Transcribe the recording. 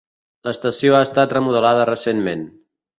L'estació ha estat remodelada recentment.